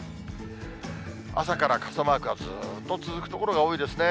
朝から傘マークがずーっと続く所が多いですね。